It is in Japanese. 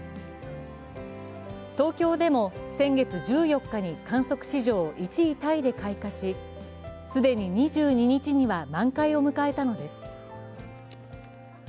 東京でも先月１４日に観測史上１位タイで開花し既に２２日には満開を迎えたのです。